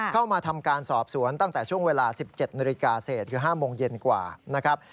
เข้ามาทำการสอบสวนตั้งแต่ช่วงเวลา๑๗นาฬิกาเศษคือ๕โมงเย็นกว่านะครับ